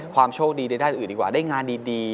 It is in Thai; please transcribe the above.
ความโชคได้ได้หรืออื่นดีกว่าได้งานดี